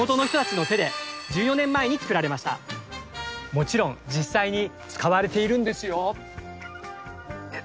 もちろん実際に使われているんですよ！